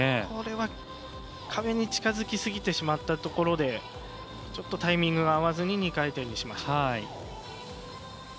これは壁に近付きすぎてしまったところで少しタイミングが合わずに２回転にしました。